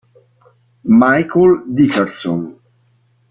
Michael Dickerson